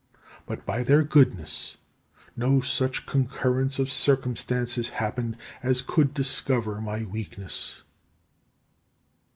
But by their goodness no such concurrence of circumstances happened as could discover my weakness.